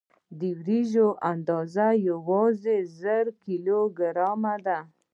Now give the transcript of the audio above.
د وریجو اندازه یوازې زر کیلو ګرامه ده.